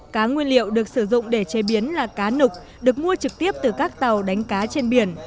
cá nguyên liệu được sử dụng để chế biến là cá nục được mua trực tiếp từ các tàu đánh cá trên biển